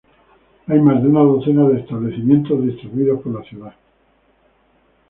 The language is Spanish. Hay más de una docena de establecimientos distribuidos por la ciudad.